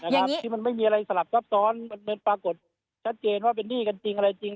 ที่มันไม่มีอะไรสลับซับซ้อนมันปรากฏชัดเจนว่าเป็นหนี้กันจริงอะไรจริง